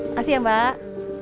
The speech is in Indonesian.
makasih ya mbak